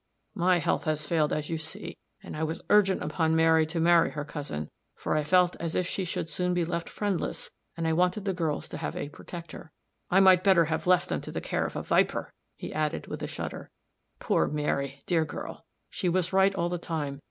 My health has failed, as you see; and I was urgent upon Mary to marry her cousin, for I felt as if she would soon be left friendless, and I wanted the girls to have a protector. I might better have left them to the care of a viper," he added, with a shudder. "Poor Mary, dear girl! she was right all the time.